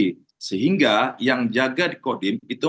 jadi sehingga yang jaga di kodim itu